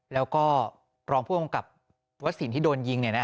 แล้วก็รองผู้กำกับวัสสินที่โดนยิง